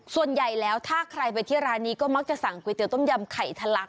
ส่วนใหญ่แล้วถ้าใครไปที่ร้านนี้ก็มักจะสั่งก๋วยเตี๋ต้มยำไข่ทะลัก